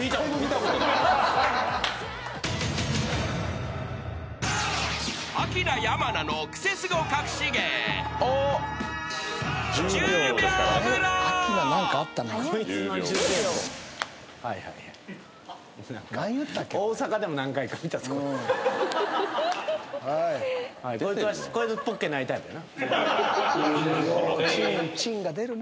「こいつはポッケないタイプやな」